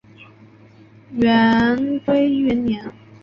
元龟元年。